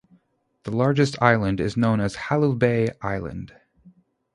The largest island is known as Halilbey Island.